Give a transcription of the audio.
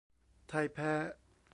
ไทยแพ้